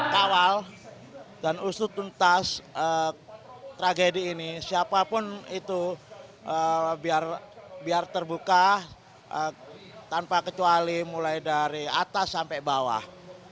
kawal dan usut tuntas tragedi ini siapapun itu biar terbuka tanpa kecuali mulai dari atas sampai bawah